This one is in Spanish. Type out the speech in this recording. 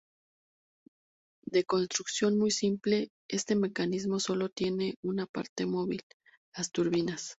De construcción muy simple, este mecanismo sólo tiene una parte móvil: las turbinas.